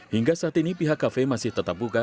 hingga saat ini pihak kafe masih tetap buka